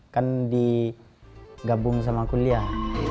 kan digabung sama kuliah